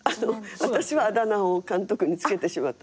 私はあだ名を監督に付けてしまったんで。